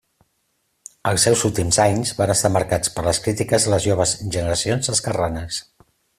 Els seus últims anys van estar marcats per les crítiques de les joves generacions esquerranes.